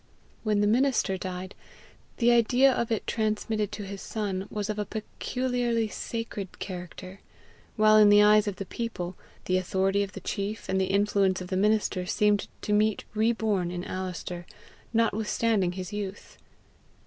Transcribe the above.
When the minister died, the idea of it transmitted to his son was of a peculiarly sacred character; while in the eyes of the people, the authority of the chief and the influence of the minister seemed to meet reborn in Alister notwithstanding his youth.